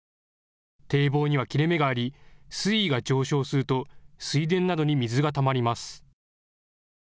堤防には切れ目があり水位が上昇すると水田などに水がたまります。